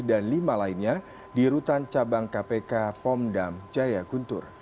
dan lima lainnya di rutan cabang kpk pondam jaya guntur